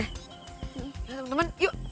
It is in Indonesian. ya temen temen yuk